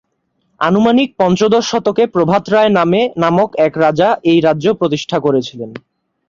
আনুমানিক পঞ্চদশ শতকে প্রভাত রায় নামক এক রাজা এই রাজ্য প্রতিষ্ঠা করেছিলেন।